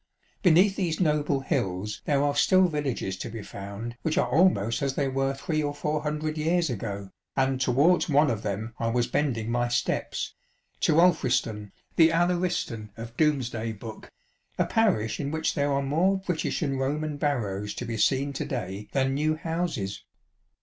Beneath these noble hills there are still villages to be found which are almost as they were three or four hundred years ago, and towards one of them I was bending my steps ŌĆö to Alfriston, the "Aluriceston" of Domesday Book, a parish in which there are more British and Roman barrows to be seen to day than new houses.